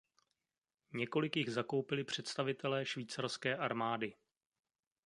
Několik jich zakoupili představitelé švýcarské armády.